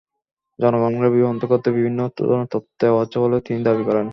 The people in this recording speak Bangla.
জনগণকে বিভ্রান্ত করতে বিভিন্ন ধরনের তথ্য দেওয়া হচ্ছে বলে তিনি দাবি করেন।